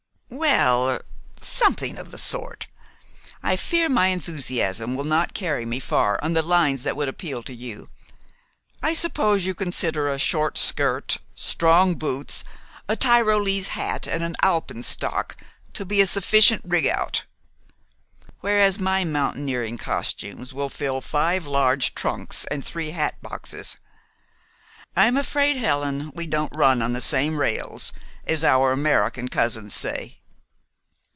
"Well er something of the sort. I fear my enthusiasm will not carry me far on the lines that would appeal to you. I suppose you consider a short skirt, strong boots, a Tyrolese hat, and an alpenstock to be a sufficient rig out, whereas my mountaineering costumes will fill five large trunks and three hat boxes. I'm afraid, Helen, we don't run on the same rails, as our American cousins say."